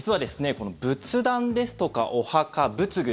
この仏壇ですとか、お墓、仏具